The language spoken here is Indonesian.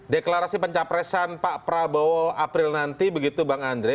deklarasi pencapresan pak prabowo april nanti begitu bang andre